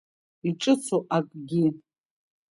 Иҿыцу акгьы.